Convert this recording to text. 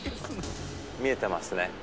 「見えてますね？